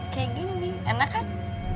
kayak gini enak kan